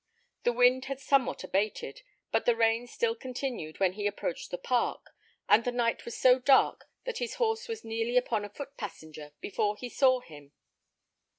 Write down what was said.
The wind had somewhat abated, but the rain still continued when he approached the park, and the night was so dark that his horse was nearly upon a foot passenger before he saw him.